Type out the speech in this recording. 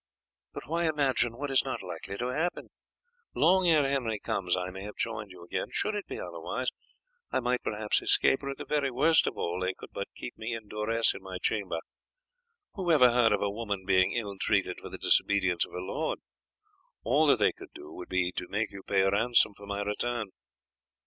"But why imagine what is not likely to happen? Long ere Henry comes I may have joined you again; should it be otherwise I might perhaps escape, or at the very worst of all they could but keep me in duress in my chamber. Who ever heard of a woman being ill treated for the disobedience of her lord? All that they could do would be to make you pay ransom for my return."